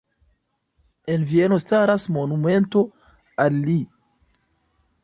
En Vieno staras monumento al li.